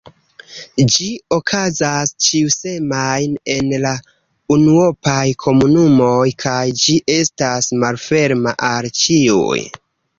Ĝi okazas ĉiusemajne en la unuopaj komunumoj kaj ĝi estas malferma al ĉiuj.